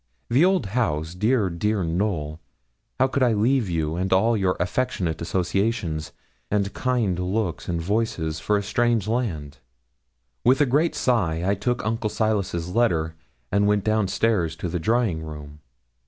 The old house dear, dear Knowl, how could I leave you and all your affectionate associations, and kind looks and voices, for a strange land! With a great sigh I took Uncle Silas's letter, and went down stairs to the drawing room.